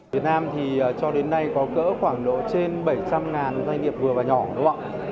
việt nam thì cho đến nay có cỡ khoảng độ trên bảy trăm linh doanh nghiệp vừa và nhỏ